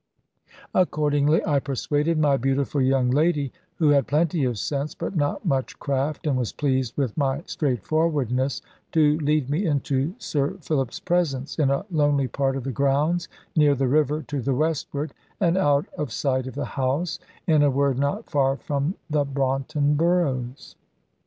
Accordingly I persuaded my beautiful young lady, who had plenty of sense but not much craft, and was pleased with my straightforwardness, to lead me into Sir Philip's presence in a lonely part of the grounds near the river, to the westward, and out of sight of the house; in a word, not far from the Braunton Burrows.